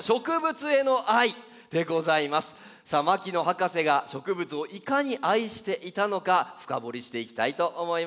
さあ牧野博士が植物をいかに愛していたのか深掘りしていきたいと思います。